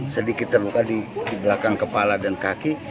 sedikit terluka di belakang kepala dan kaki